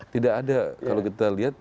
tidak ada kalau kita lihat